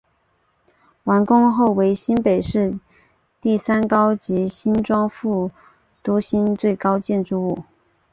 完工后为新北市第三高及新庄副都心最高建筑物。